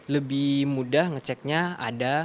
lebih mudah ngeceknya ada